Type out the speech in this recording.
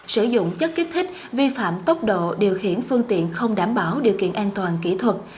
sử dụng chất kích thích vi phạm tốc độ điều khiển phương tiện không đảm bảo điều kiện an toàn kỹ thuật